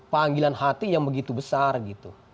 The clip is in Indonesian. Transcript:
panggilan hati yang begitu besar gitu